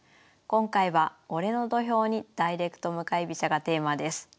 今回は「俺の土俵にダイレクト向かい飛車」がテーマです。